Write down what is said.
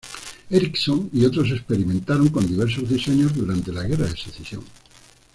Ericsson y otros experimentaron con diversos diseños durante la guerra de Secesión.